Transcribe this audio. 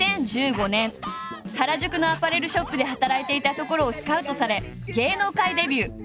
２０１５年原宿のアパレルショップで働いていたところをスカウトされ芸能界デビュー。